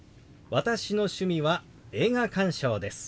私の趣味は映画鑑賞です。